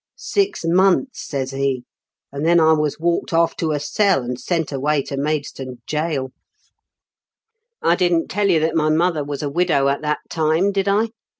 "* Six months,* says he, and then I was walked off to a cell, and sent away to Maidstone gaoL " I didn't tell you that my mother was a widow at that time, did I?